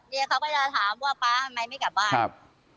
เขาก็จะถามว่าป๊าทำไมไม่กลับบ้านครับ